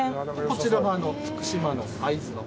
こちらが福島の会津の。